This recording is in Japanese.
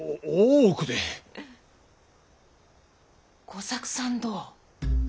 吾作さんどう！？